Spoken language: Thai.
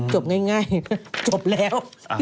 จบง่ายจบแล้ว